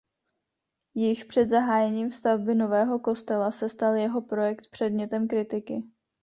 Již před zahájením stavby nového kostela se stal jeho projekt předmětem kritiky.